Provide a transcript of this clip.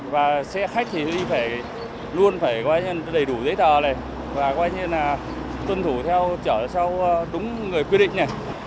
và xe khách thì luôn phải đầy đủ giấy tờ tuân thủ theo chở sau đúng người quy định